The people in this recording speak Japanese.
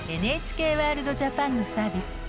ＮＨＫワールドＪＡＰＡＮのサービス。